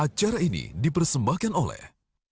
acara ini dipersembahkan oleh